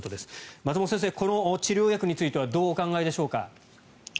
松本先生この治療薬についてはどうお考えでしょうか。